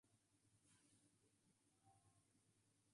Dice que lo de la moto fue durante una adolescencia tardía.